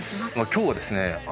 今日はですね